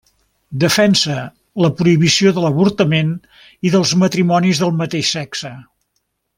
Defensa la prohibició de l'avortament i dels matrimonis del mateix sexe.